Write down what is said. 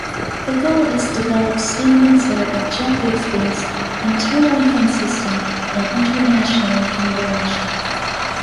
The goal is develop standards that are objectives-based, internally consistent, and internationally converged.